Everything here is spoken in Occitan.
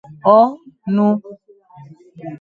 Ò!, non.